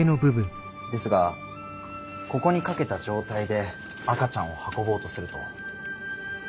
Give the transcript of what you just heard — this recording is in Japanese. ですがここにかけた状態で赤ちゃんを運ぼうとすると。